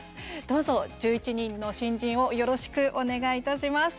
どうぞ１１人の新人をよろしくお願いいたします。